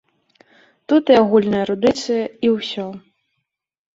Тут і агульная эрудыцыя, і ўсё.